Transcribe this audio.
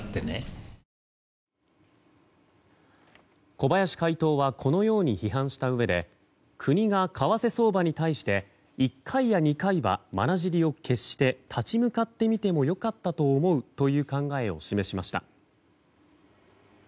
小林会頭はこのように批判したうえで国が為替相場に対して１回や２回は、まなじりを決して立ち向かってみてもよかったと思うという考えを示しました。